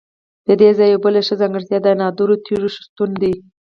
ددې ځای یوه بله ښه ځانګړتیا د نادرو تیږو شتون دی.